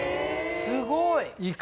すごい！